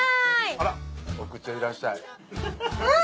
あらっお口へいらっしゃいうん！